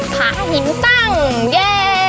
ผาหินตั้งเย่